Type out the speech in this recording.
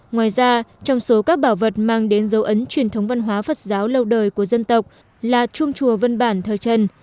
ngoài ra trong số các bảo vật mang đến dấu ấn truyền thống văn hóa phật giáo lâu đời của dân tộc là chuông chùa văn bản thời trần